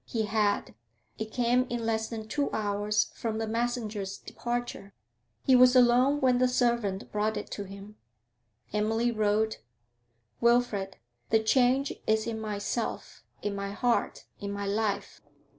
He had; it came in less than two hours from the messenger's departure. He was alone when the servant brought it to him. Emily wrote: 'Wilfrid, The change is in myself, in my heart, in my life.